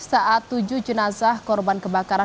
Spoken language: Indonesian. saat tujuh jenazah korban kebakaran